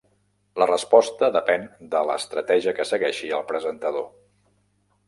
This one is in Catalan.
La resposta depèn de l'estratègia que segueixi el presentador.